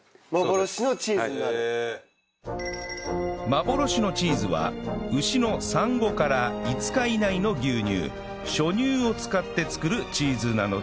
幻のチーズは牛の産後から５日以内の牛乳初乳を使って作るチーズなのだそう